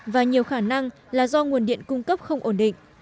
và nhiều khả năng là do nguồn điện cung cấp không ổn định